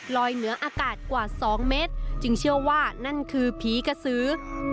เหนืออากาศกว่า๒เมตรจึงเชื่อว่านั่นคือผีกระสือ